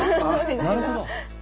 なるほど！